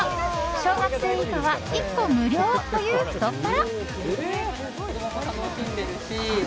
小学生以下は１個無料という太っ腹。